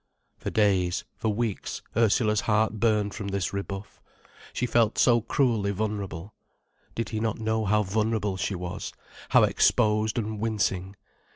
For days, for weeks, Ursula's heart burned from this rebuff. She felt so cruelly vulnerable. Did he not know how vulnerable she was, how exposed and wincing?